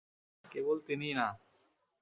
কেবল তিনিই না।